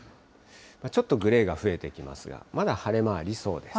ちょっとグレーが増えてきますが、まだ晴れ間ありそうです。